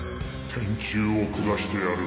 天誅を下してやる。